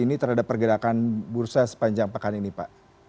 ini terhadap pergerakan bursa sepanjang pekan ini pak